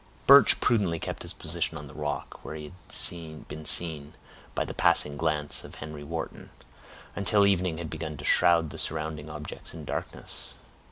Birch prudently kept his position on the rock, where he had been seen by the passing glance of Henry Wharton, until evening had begun to shroud the surrounding objects in darkness.